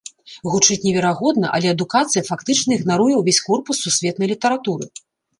Гучыць неверагодна, але адукацыя фактычна ігнаруе ўвесь корпус сусветнай літаратуры.